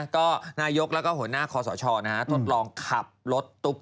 ก็นายกแล้วก็หัวหน้าคอสชทดลองขับรถตุ๊ก